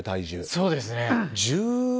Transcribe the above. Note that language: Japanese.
そうですね。